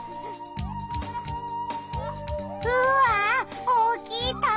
うわ大きい玉！